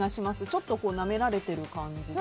ちょっとなめられている感じ？